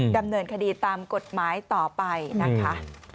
ดำเนินคดีตามกฎหมายต่อไปนะคะ